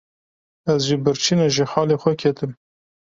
Ez ji birçîna ji halê xwe ketim.